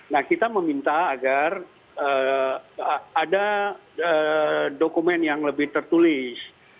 nah kita meminta agar ada dokumen yang lebih tertulis